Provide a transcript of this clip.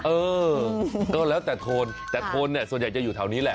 เออก็แล้วแต่โทนแต่โทนเนี่ยส่วนใหญ่จะอยู่แถวนี้แหละ